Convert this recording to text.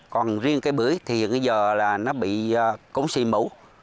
còn riêng cây bưởi thì bây giờ nó bị cúng xì mũ